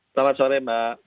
selamat sore mbak